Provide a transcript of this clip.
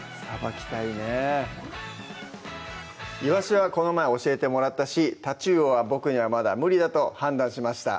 いわしはこの前教えてもらったしタチウオは僕にはまだ無理だと判断しました